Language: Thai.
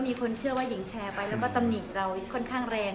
มีคนเชื่อว่าหญิงแชร์ไปแล้วก็ตำหนิเราค่อนข้างแรง